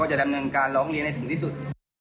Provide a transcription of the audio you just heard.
จะดำเนินการร้องเรียนให้ถึงที่สุด